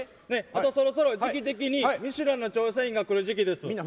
そろそろ、時期的にミシュランの調査員が来る時期です。